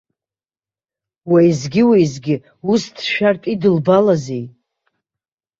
Уеизгьы-уеизгьы ус дшәартә идылбалазеи?